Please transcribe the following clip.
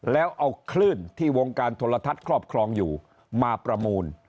แล้วเอาคลื่นที่วงการโทรทัศน์ครอบครองอยู่มาประมูล